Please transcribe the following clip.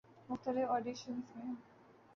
مختلف آڈیشنزمیں